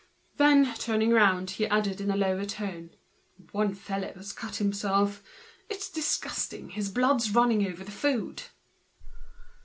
Then, turning round, he added in a lower tone, "There's one fellow cut himself. It's disgusting, it's running over the food."